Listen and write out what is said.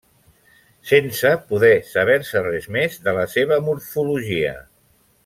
Sense poder saber-se res més de la seva morfologia.